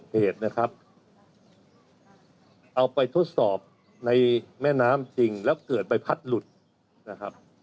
เหตุนะครับเอาไปทดสอบในแม่น้ำจริงแล้วเกิดใบพัดหลุดนะครับ